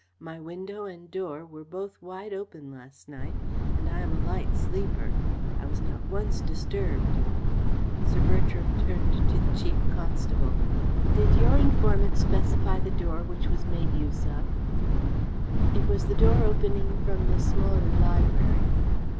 My window and door were both wide open last night, and I am a light sleeper. I was not once disturbed." Sir Bertram turned to the Chief Constable. "Did your informant specify the door which was made use of?" "It was the door opening from the smaller library."